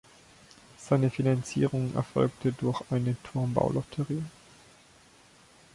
Seine Finanzierung erfolgte durch eine Turmbau-Lotterie.